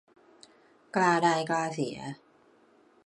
กล้าได้กล้าเสีย